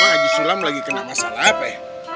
lu aja sulam lagi kena masalah apa ya